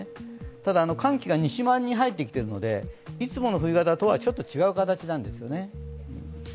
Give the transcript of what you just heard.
ただ、寒気が西側にきてるのでいつもの冬型とはちょっと違う形なんですよね。